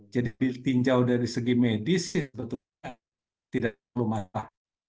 jadi ditingjau dari segi medis ya tentunya tidak terlalu masalah